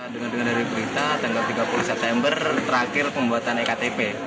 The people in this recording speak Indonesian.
dengar dengar dari berita tanggal tiga puluh september terakhir pembuatan ektp